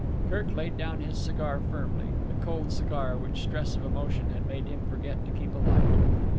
Kirk laid down his cigar firmly, the cold cigar which stress of emotion had made him forget to keep alight.